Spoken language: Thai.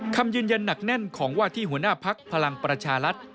คำยืนยันหนักแน่นของว่าที่หัวหน้าพักพลังประชารัฐ